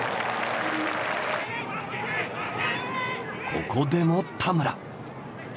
ここでも田村！